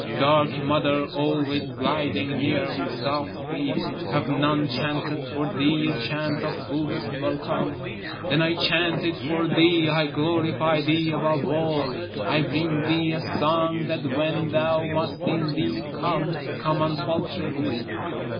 Dark mother always gliding near with soft feet, Have none chanted for thee a chant of fullest welcome? Then I chant it for thee, I glorify thee above all, I bring thee a song that when thou must indeed come, come unfalteringly.